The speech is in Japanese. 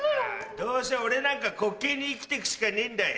どうせ俺なんか滑稽に生きて行くしかねえんだよ。